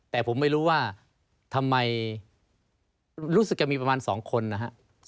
แต่ผมไม่รู้ว่าทำไมรู้สึกจะมีประมาณ๒คนนะฮะ